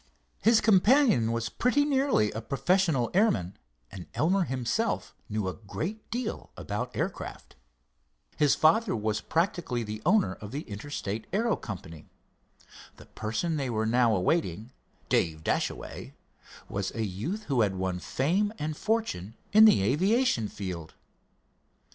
His companion was pretty nearly a professional airman, and Elmer himself knew a great deal about aircraft. His father was practically the owner of the Interstate Aero Company. The person they were now awaiting, Dave Dashaway, was a youth who had won fame and fortune in the aviation field.